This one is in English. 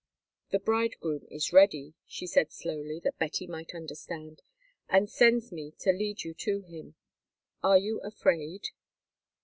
"The bridegroom is ready," she said slowly that Betty might understand, "and sends me to lead you to him. Are you afraid?"